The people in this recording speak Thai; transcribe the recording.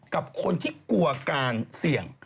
กับคนที่กลัวการเสี่ยง